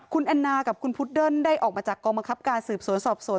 คุณแอนนากับคุณพุดเดิ้ลได้ออกมาจากกองบังคับการสืบสวนสอบสวน